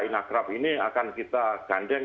inagraf ini akan kita gandeng